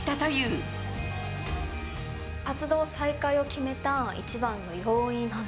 活動再開を決めた一番の要因